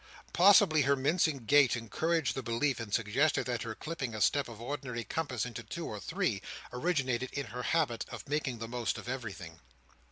Possibly her mincing gait encouraged the belief, and suggested that her clipping a step of ordinary compass into two or three, originated in her habit of making the most of everything.